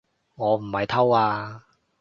我唔係偷啊